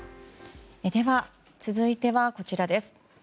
では、続いてはこちらです。